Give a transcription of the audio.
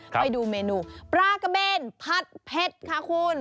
ไปดูเมนูปลากระเบนผัดเผ็ดค่ะคุณ